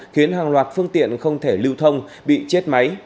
khiến hàng loạt phương tiện không thể lưu thông bị chết máy